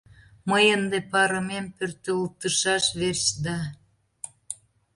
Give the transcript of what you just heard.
Мый ынде парымем пӧртылтышаш верч да